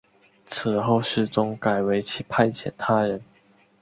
此后世宗改为派遣他人。